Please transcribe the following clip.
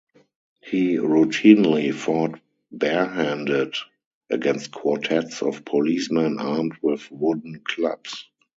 He routinely fought barehanded against quartets of policemen armed with wooden clubs.